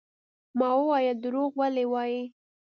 ما وويل دروغ ولې وايې.